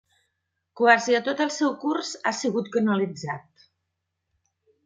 Quasi a tot el seu curs ha sigut canalitzat.